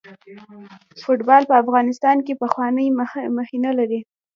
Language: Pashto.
فوټبال په افغانستان کې پخوانۍ مخینه لري.